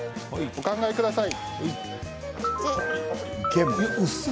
お考えください。